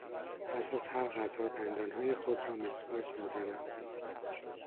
پس از هر غذا دندانهای خود را مسواک میزنم.